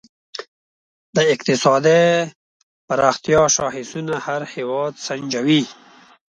د اقتصادي پرمختیا شاخصونه هر هېواد سنجوي.